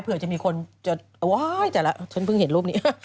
จะมีคนจะว้ายแต่ละฉันเพิ่งเห็นรูปนี้